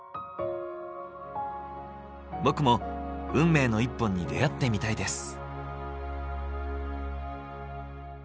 僕も運命の一本に出会ってみたいです。